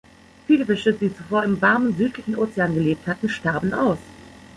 Viele Fische, die zuvor im warmen südlichen Ozean gelebt hatten, starben aus.